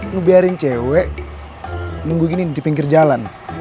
ngebiarin cewek nunggu gini di pinggir jalan